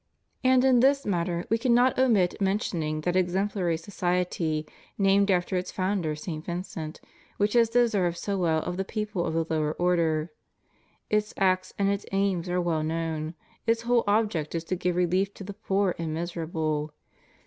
And in this matter We cannot omit mentioning that exemplary society, named after its founder, St. Vincent, which has deserved so well of the people of the lower order. Its acts and its aims are well known. Its whole object is to give relief to the poor and miserable.